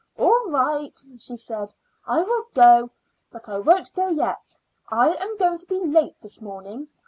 "All right," she said, "I will go; but I won't go yet. I am going to be late this morning.